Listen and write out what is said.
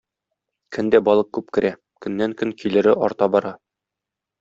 Көн дә балык күп керә, көннән-көн килере арта бара.